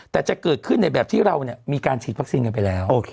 แต่จะเกิดขึ้นในแบบที่เรามีการฉีดวัคซีนกันไปแล้ว